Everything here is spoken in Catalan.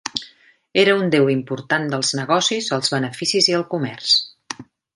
Era un déu important dels negocis, els beneficis i el comerç.